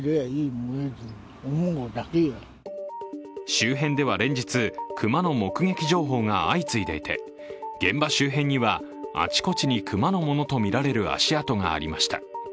周辺では連日、熊の目撃情報が相次いでいて現場周辺にはあちこちに熊のものとみられる足跡がありました。